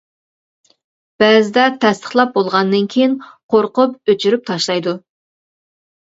بەزىدە تەستىقلاپ بولغاندىن كىيىن، قورقۇپ ئۆچۈرۈپ تاشلايدۇ.